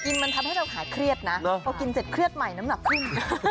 มันทำให้เราขายเครียดนะพอกินเสร็จเครียดใหม่น้ำหนักขึ้น